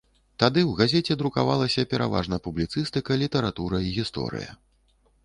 Тады ў газеце друкавалася пераважна публіцыстыка, літаратура і гісторыя.